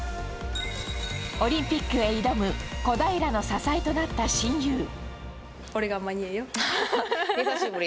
オリンピックへ挑む小平の支えとなった親友。